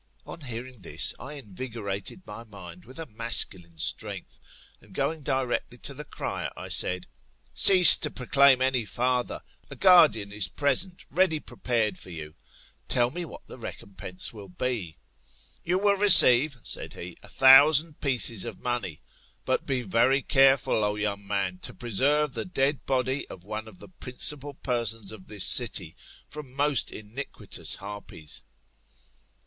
" On hearing this, I invigorated my mind with a masculine strength, and going directly to the cryer, I said, Cease to proclaim any forther, a guardian is present ready prepared for you ; tell me what the recompense will be. You will receive, said he, a thousand pieces of money. But be very careful, O young man, to preserve the dead body of one of the principal persons of this city from most iniquitous harpies.